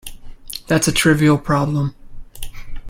That's a trivial problem.